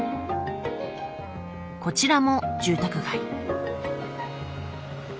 こちらも住宅街。